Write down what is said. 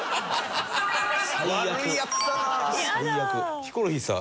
ヒコロヒーさん。